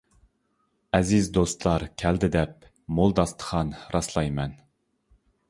ئەزىز دوستلار كەلدى دەپ، مول داستىخان راسلايمەن.